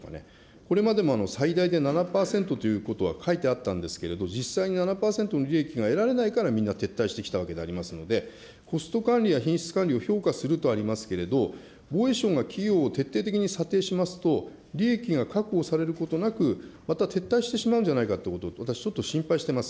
これまでも最大で７％ということは書いてあったんですけれど、実際に７％の利益が得られないから、みんな撤退してきたわけでありますので、コスト管理や品質管理を評価するとありますけれど、防衛省が企業を徹底的に査定しますと、利益が確保されることなくまた撤退してしまうんじゃないかということを私、ちょっと心配しています。